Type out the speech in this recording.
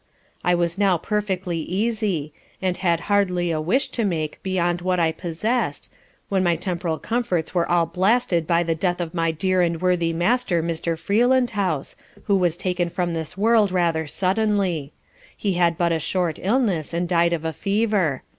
I was now perfectly easy, and had hardly a wish to make beyond what I possess'd, when my temporal comforts were all blasted by the death of my dear and worthy Master Mr. Freelandhouse, who was taken from this world rather suddenly: he had but a short illness, and died of a fever.